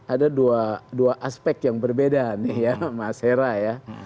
ada dua aspek yang berbeda nih ya mas hera ya